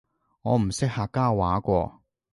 我唔識客家話喎